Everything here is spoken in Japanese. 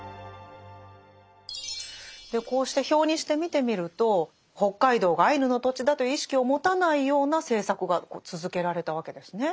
こうして表にして見てみると北海道がアイヌの土地だという意識を持たないような政策が続けられたわけですね。